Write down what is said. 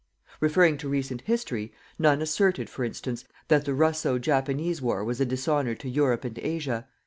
Referring to recent history, none asserted, for instance, that the Russo Japanese war was a dishonour to Europe and Asia.